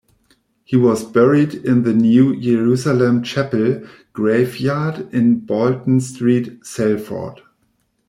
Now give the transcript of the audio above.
He was buried in the New Jerusalem Chapel graveyard in Bolton Street, Salford.